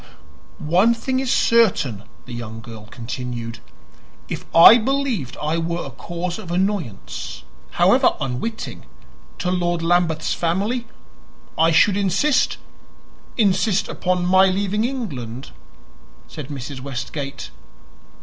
"One thing is certain," the young girl continued. "If I believed I were a cause of annoyance however unwitting to Lord Lambeth's family, I should insist " "Insist upon my leaving England," said Mrs. Westgate.